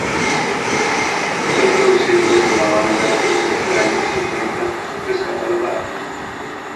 Fue producido por la banda y desde hace años se encuentra descatalogado.